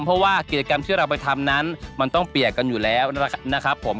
เพราะว่ากิจกรรมที่เราไปทำนั้นมันต้องเปียกกันอยู่แล้วนะครับผม